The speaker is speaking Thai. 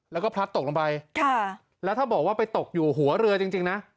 แล้วก็พลัดตกลงไปค่ะแล้วถ้าบอกว่าไปตกอยู่หัวเรือจริงจริงนะ